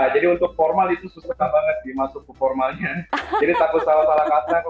jadi untuk formal itu susah banget dimasukin formalnya jadi takut salah salah kata kalau